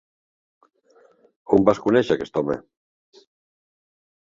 On vas conèixer aquest home?